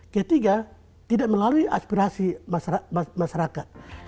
ketiga tidak melalui aspirasi masyarakat